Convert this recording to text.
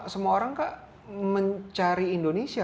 semua orang mencari indonesia